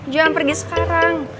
jangan pergi sekarang